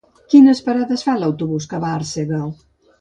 Quines parades fa l'autobús que va a Arsèguel?